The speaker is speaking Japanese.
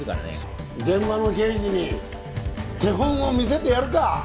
現場の刑事に手本を見せてやるか。